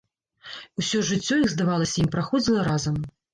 Усё жыццё іх, здавалася ім, праходзіла разам.